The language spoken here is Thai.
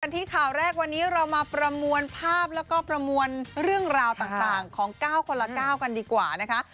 ที่ข่าวแรกวันนี้เรามาประมวลภาพแล้วก็ประมวลเรื่องราวต่างของ๙คนละ๙กันดีกว่านะคะ